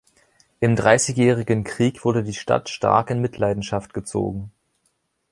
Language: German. Im Dreißigjährigen Krieg wurde die Stadt stark in Mitleidenschaft gezogen.